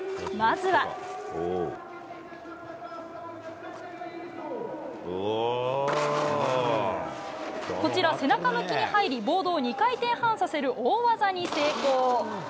まずは、背中向きに入りボードを２回転半させる大技に成功。